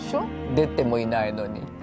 出てもいないのに。